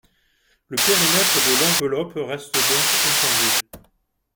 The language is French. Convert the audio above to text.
Le périmètre de l’enveloppe reste donc inchangé.